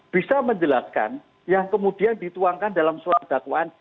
bisa menjelaskan yang kemudian dituangkan dalam surat dakwaan